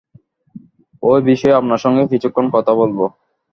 ঐ বিষয়ে আপনার সঙ্গে কিছুক্ষণ কথা বলব।